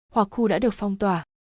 hoặc khu đã được phong tỏa